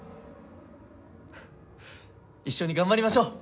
一緒に頑張りましょう！